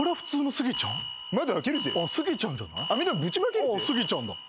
スギちゃんだ。